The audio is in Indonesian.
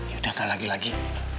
yaudah datang lagi lagi